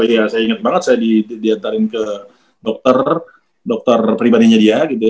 iya saya ingat banget saya diantarin ke dokter dokter pribadinya dia gitu ya